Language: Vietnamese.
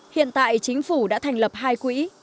hiện tại chính phủ đã thành lập hai quỹ